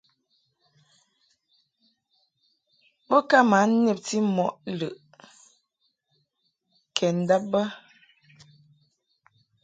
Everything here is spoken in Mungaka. Bo ka ma nebti mɔ lɨʼ kɛ ndab bə.